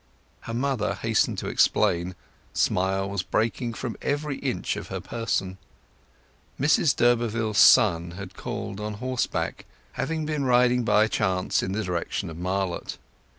Her mother hastened to explain, smiles breaking from every inch of her person. Mrs d'Urberville's son had called on horseback, having been riding by chance in the direction of Marlott.